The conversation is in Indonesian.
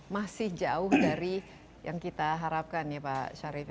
masih jauh dari yang kita harapkan ya pak syarif